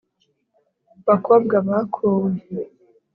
Bakobwa bakowe